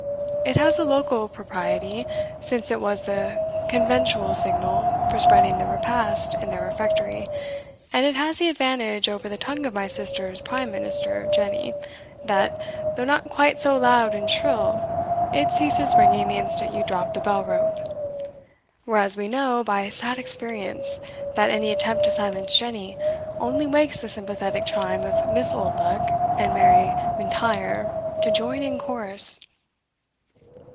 It has a local propriety, since it was the conventual signal for spreading the repast in their refectory, and it has the advantage over the tongue of my sister's prime minister, Jenny, that, though not quite so loud and shrill, it ceases ringing the instant you drop the bell rope: whereas we know, by sad experience, that any attempt to silence Jenny, only wakes the sympathetic chime of Miss Oldbuck and Mary M'Intyre to join in chorus."